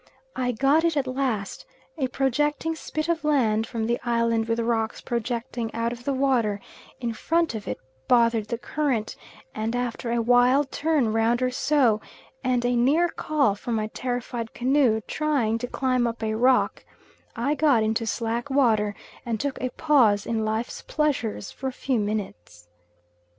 I got it at last a projecting spit of land from the island with rocks projecting out of the water in front of it bothered the current, and after a wild turn round or so, and a near call from my terrified canoe trying to climb up a rock, I got into slack water and took a pause in life's pleasures for a few minutes.